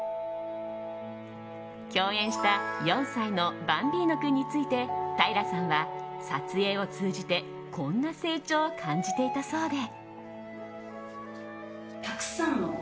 共演した４歳のバンビーノ君について平さんは、撮影を通じてこんな成長を感じていたそうで。